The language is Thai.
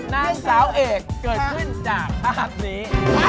นางสาวเอกเกิดขึ้นจากภาพนี้